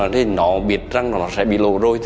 thì nó biết rằng nó sẽ bị lộ rồi